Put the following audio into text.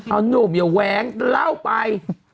เอานูนอย่าแหวงเล่าไป